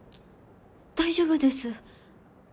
大丈夫です。